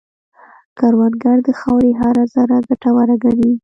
کروندګر د خاورې هره ذره ګټوره ګڼي